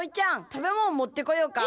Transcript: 食べもんもってこようか？